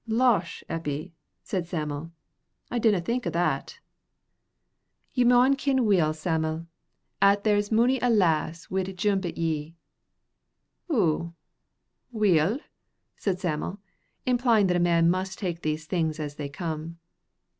"Losh, Eppie," said Sam'l, "I didna think o' that." "Ye maun kin weel, Sam'l, at there's mony a lass wid jump at ye." "Ou, weel," said Sam'l, implying that a man must take these things as they come.